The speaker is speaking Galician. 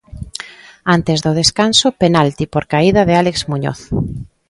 Antes do descanso penalti por caída de Álex Muñoz.